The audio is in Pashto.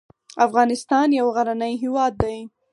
افغانستان يو غرنی هېواد دی.